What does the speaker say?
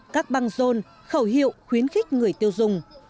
các băng rôn khẩu hiệu khuyến khích người tiêu dùng